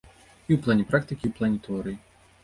І ў плане практыкі, і ў плане тэорыі.